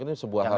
ini sebuah hal ya